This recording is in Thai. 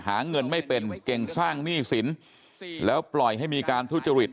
หาเงินไม่เป็นเก่งสร้างหนี้สินแล้วปล่อยให้มีการทุจริต